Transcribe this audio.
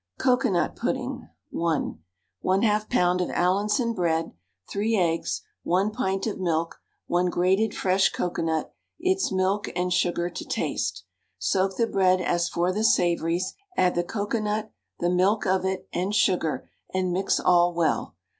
COCOANUT PUDDING (1). 1/2 lb. of Allinson bread, 3 eggs, 1 pint of milk, 1 grated fresh cocoanut, its milk, and sugar to taste. Soak the bread as for the savouries, add the cocoanut, the milk of it, and sugar, and mix all well.